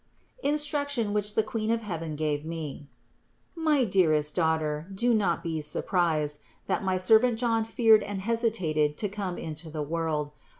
INSTRUCTION WHICH THE QUEEN OF HEAVEN GAVE ME. 278. My dearest daughter, do not be surprised, that my servant John feared and hesitated to come into the world.